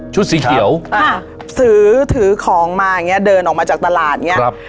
ชุดสีเขียวค่ะถือถือของมาอย่างเงี้ยเดินออกมาจากตลาดอย่างเงี้ยครับ